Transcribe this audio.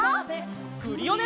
クリオネ！